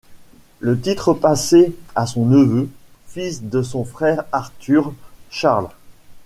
Le titre passé à son neveu, fils de son frère Arthur, Charles.